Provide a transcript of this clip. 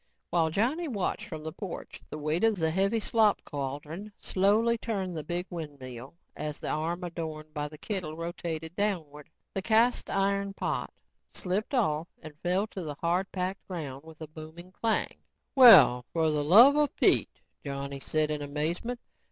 While Johnny watched from the porch, the weight of the heavy slop cauldron slowly turned the big windmill and as the arm adorned by the kettle rotated downward, the cast iron pot slipped off and fell to the hard packed ground with a booming clang. "Well, for the luvva Pete," Johnny said in amazement.